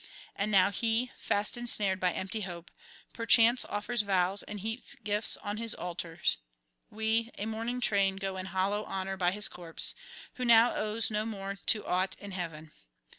And now he, fast ensnared by empty hope, perchance offers vows and heaps gifts on his altars; we, a mourning train, go in hollow honour by his corpse, who now owes no more to aught in heaven.